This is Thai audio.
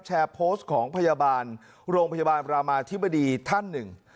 แชร์โพสต์ของพยาบาลโรงพยาบาลรามาธิบดีท่านหนึ่ง